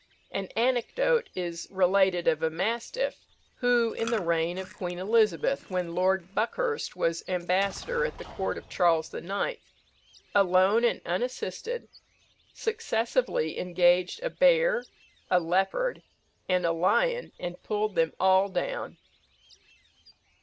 An anecdote is related of a mastiff, who, in the reign of Queen Elizabeth, when Lord Buckhurst was ambassador at the Court of Charles the Ninth, alone and unassisted, successively engaged a bear, a leopard, and a lion, and pulled them all down.